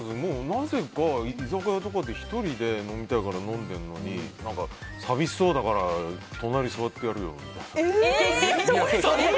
なぜか居酒屋で１人で飲みたいから飲んでるのに、寂しそうだから隣座ってやるよみたいな。